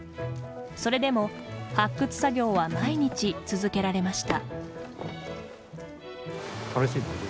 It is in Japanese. それでも、発掘作業は毎日続けられました。